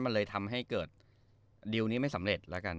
มันเลยทำให้เกิดดิวนี้ไม่สำเร็จแล้วกัน